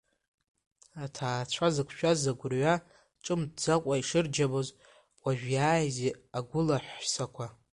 Аҭаацәа зықәшәаз агәырҩа ҿымҭӡакәа ишырџьабоз, уажә иааиз агәылаҳәсақәа…